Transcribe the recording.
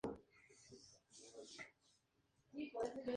Casi cada año se eligieron como el líder de su grupo en escuela.